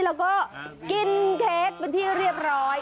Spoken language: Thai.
แล้วก็กินเค้กเป็นที่เรียบร้อย